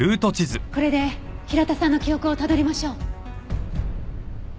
これで平田さんの記憶をたどりましょう。